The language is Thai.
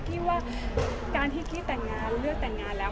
พี่ว่าการที่กี้แต่งงานเลือกแต่งงานแล้ว